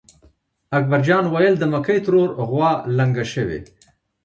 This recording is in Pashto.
اکبر جان وېل: د مکۍ ترور غوا لنګه شوې.